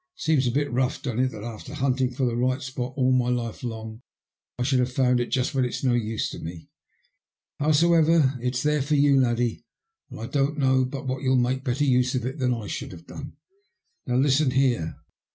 It seems a bit rough, don't it, that after hunting for the right spot all my life long, I should have found it just when it's no use to me ? Howso ever, it's there for you, laddie, and I don't know but i MY CHANCE IN LIFE. 21 what you'll make better use of it than I should have done. Now listen here."